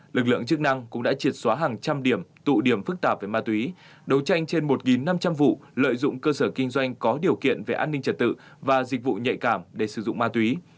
lực lượng chức năng cũng đã triệt xóa hàng trăm điểm tụ điểm phức tạp về ma túy đấu tranh trên một năm trăm linh vụ lợi dụng cơ sở kinh doanh có điều kiện về an ninh trật tự và dịch vụ nhạy cảm để sử dụng ma túy